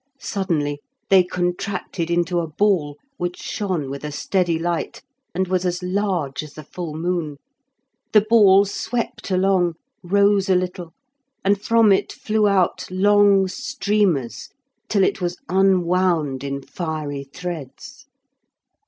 Suddenly they contracted into a ball, which shone with a steady light, and was as large as the full moon. The ball swept along, rose a little, and from it flew out long streamers till it was unwound in fiery threads.